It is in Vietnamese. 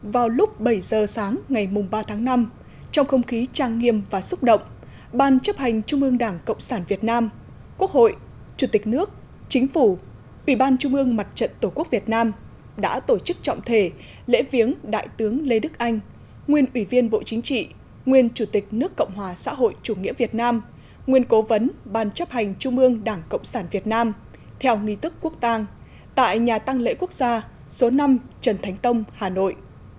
vào lúc bảy giờ sáng ngày ba tháng năm trong không khí trang nghiêm và xúc động ban chấp hành trung ương đảng cộng sản việt nam quốc hội chủ tịch nước chính phủ ủy ban trung ương mặt trận tổ quốc việt nam đã tổ chức trọng thể lễ viếng đại tướng lê đức anh nguyên ủy viên bộ chính trị nguyên chủ tịch nước cộng hòa xã hội chủ nghĩa việt nam nguyên cố vấn ban chấp hành trung ương đảng cộng sản việt nam theo nghị tức quốc tàng tại nhà tăng lễ quốc gia số năm trần thánh tông hà nội